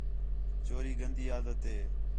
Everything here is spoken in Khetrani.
چوری گندی عادت ہے